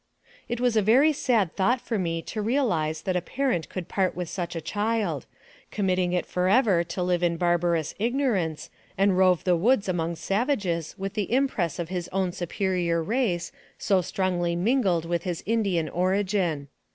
It was a very sad thought for me to realize that a parent could purt with such a child, committing it for ever to live in barbarous ignorance, and rove the woods among savages with the impress of his own superior race, so strongly mingled with his Indian origin.